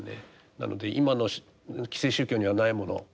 なので今の既成宗教にはないもの